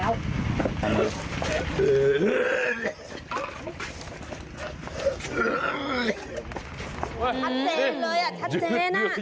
ชัดเจนเลยอ่ะชัดเจน